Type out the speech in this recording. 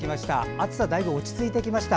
暑さ、だいぶ落ち着いてきました。